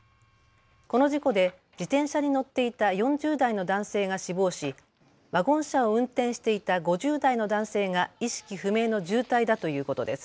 この事故で自転車に乗っていた４０代の男性が死亡しワゴン車を運転していた５０代の男性が意識不明の重体だということです。